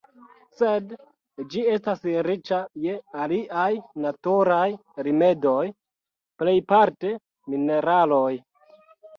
Sed ĝi estas riĉa je aliaj naturaj rimedoj, plejparte mineraloj.